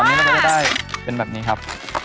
อันนี้เราก็จะได้เป็นแบบนี้ครับ